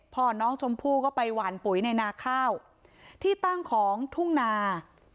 พ่อน้องชมพู่ก็ไปหวานปุ๋ยในนาข้าวที่ตั้งของทุ่งนา